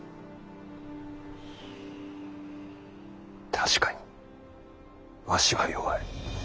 確かにわしは弱い。